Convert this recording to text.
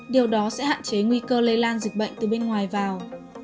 điều đó sẽ hạn chế nguy cơ lây lan dịch bệnh từ bên ngoài vào